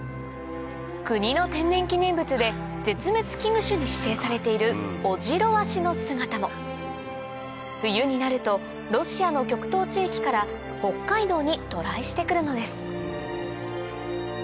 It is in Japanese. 国の天然記念物で絶滅危惧種に指定されているオジロワシの姿も冬になるとロシアの極東地域から北海道に渡来してくるのです